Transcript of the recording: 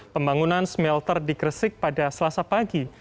pembangunan smelter di gresik pada selasa pagi